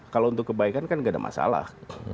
kalau untuk kebaikan kan gak ada masalah